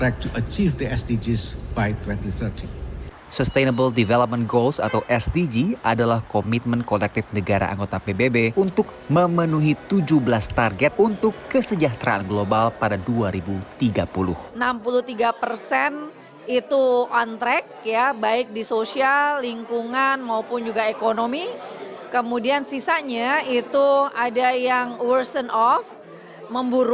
kepala badan perencanaan pembangunan nasional suharto monoarfa